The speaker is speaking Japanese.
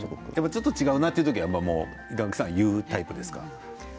ちょっと違うなという時は言うタイプですか？